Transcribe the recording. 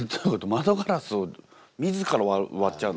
窓ガラスを自ら割っちゃうの？